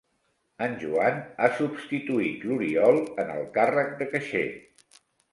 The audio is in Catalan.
En Joan ha substituït l'Oriol en el càrrec de caixer.